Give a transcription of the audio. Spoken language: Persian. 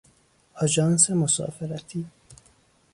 آژانس مسافرتی